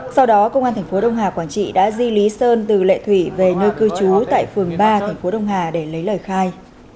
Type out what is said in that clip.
sau đó công an thành phố đông hà quảng trị đã di lý sơn từ lệ thủy về nơi cư trú tại phường ba thành phố đông hà để lấy lời khai